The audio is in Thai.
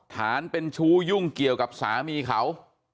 ฐานเป็นชู้ยุ่งเกี่ยวกับสามีเขา